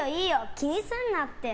気にすんなって。